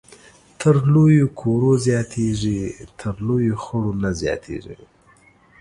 تر لويو کورو زياتېږي ، تر لويو خړو نه زياتېږي